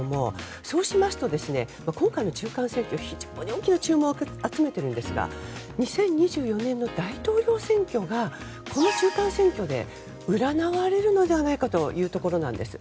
そうしますと、今回の中間選挙非常に大きな注目を集めていますが２０２４年の大統領選挙がこの中間選挙で占われるのではないかというところなんです。